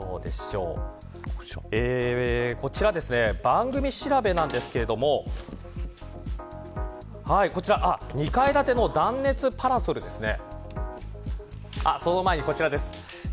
番組調べなんですが２階建ての断熱パラソルですね。